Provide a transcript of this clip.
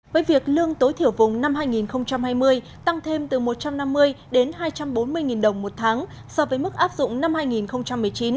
với việc lương tối thiểu vùng năm hai nghìn hai mươi tăng thêm từ một trăm năm mươi đến hai trăm bốn mươi đồng một tháng so với mức áp dụng năm hai nghìn một mươi chín